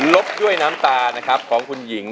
ลบด้วยน้ำตาของคุณหญิง